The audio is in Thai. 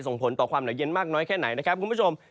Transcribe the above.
ส่งผลต่อความหนาวเย็นมากน้อยแค่ไหนนะครับคุณผู้ชม